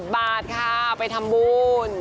บาทค่ะไปทำบุญ